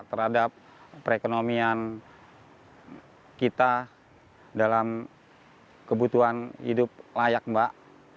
terhadap perekonomian kita dalam kebutuhan hidup layak mbak